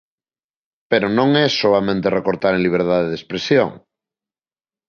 Pero non é soamente recortar en liberdade de expresión.